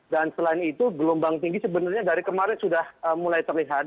dan selain itu gelombang tinggi sebenarnya dari kemarin sudah mulai terlihat